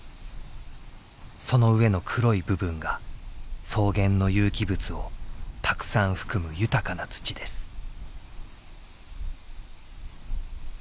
その上の黒い部分が草原の有機物をたくさん含む豊かな土です。